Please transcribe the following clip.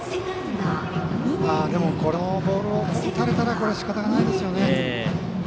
このボールを打たれたらしかたがないですね。